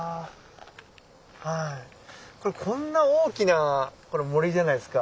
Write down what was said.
これこんな大きな森じゃないですか。